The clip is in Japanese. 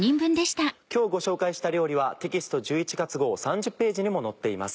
今日ご紹介した料理はテキスト１１月号３０ページにも載っています。